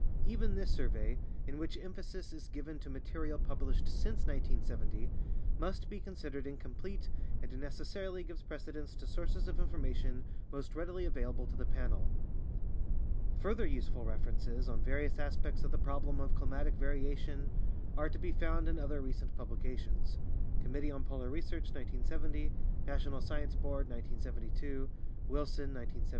Even this survey, in which emphasis is given to material published since 1970, must be considered incomplete and necessarily gives precedence to sources of information most readily available to the Panel. Further use ful references on various aspects of the problem of climatic variation are to be found in other recent publications (Committee on Polar Research, 1970; National Science Board, 1972; Wilson, 1970, 1971).